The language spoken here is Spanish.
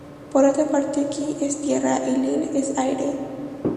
Por otra parte, "ki" es ‘tierra’ y "lil" es ‘aire’.